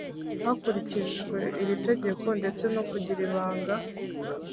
hakurikijwe iri tegeko ndetse n iyo kugira ibanga